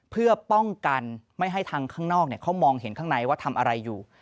เพื่อป้องกันไม่ให้ทางข้างนอกเขามองเห็นข้างในว่าทำอะไรอยู่